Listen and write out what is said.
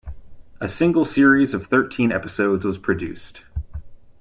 A single series of thirteen episodes was produced.